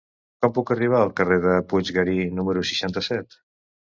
Com puc arribar al carrer de Puiggarí número seixanta-set?